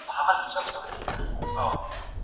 هغه وویل چې سیالي مهمه ده.